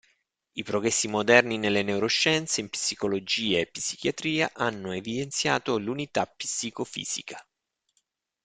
I progressi moderni nelle neuroscienze, in psicologia e psichiatria hanno evidenziato l'unità psicofisica.